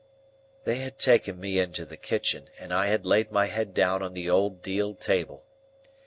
They had taken me into the kitchen, and I had laid my head down on the old deal table.